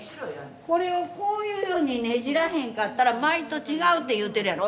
これをこういうふうにねじらへんかったら舞と違うって言うてるやろ。